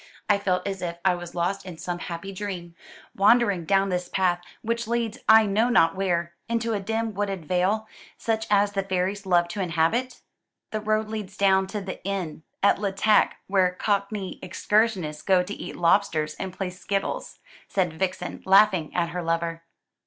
"I felt as if I was lost in some happy dream wandering down this path, which leads I know not where, into a dim wooded vale, such as the fairies love to inhabit?" "The road leads down to the inn at Le Tac, where Cockney excursionists go to eat lobsters, and play skittles," said Vixen, laughing at her lover.